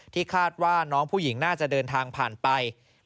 คาดว่าน้องผู้หญิงน่าจะเดินทางผ่านไป